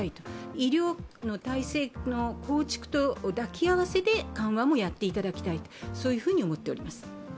医療の体制の構築と抱き合わせで緩和もやっていただきたいと思っております。